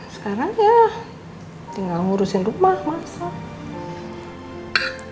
sekarang ya tinggal ngurusin rumah masak